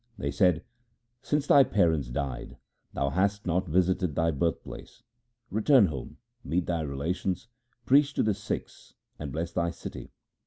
They said, ' Since thy parents died, thou hast not visited thy birth place. Return home, meet thy relations, preach to the Sikhs, and bless thy city.